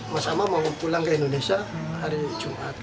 mas amal mau pulang ke indonesia hari jumat